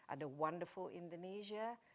ada wonderful indonesia